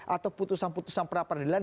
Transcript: atau putusan putusan perapradilan